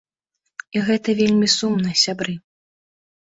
І гэта вельмі сумна, сябры.